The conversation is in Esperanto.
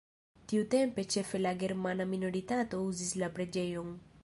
Tiutempe ĉefe la germana minoritato uzis la preĝejon.